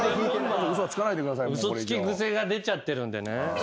嘘つき癖が出ちゃってるんでね。